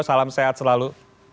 salam sehat selalu